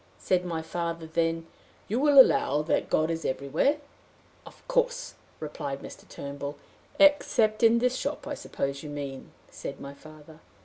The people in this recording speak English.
Said my father then, 'You will allow that God is everywhere?' 'Of course,' replied Mr. Turnbull. 'Except in this shop, I suppose you mean?' said my father.